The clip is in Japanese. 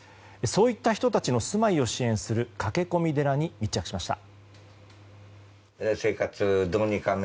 そういった人たちの住まいを支援する駆け込み寺に密着しました。